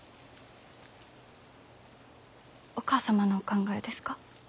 お義母様のお考えですか？